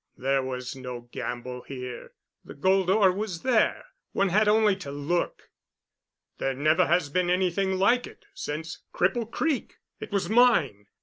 There was no gamble here. The gold ore was there—one had only to look. There never has been anything like it since Cripple Creek. It was mine.